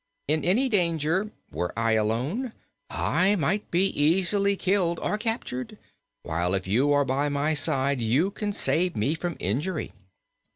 In any danger, were I alone, I might be easily killed or captured, while if you are by my side you can save me from injury."